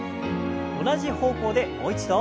同じ方向でもう一度。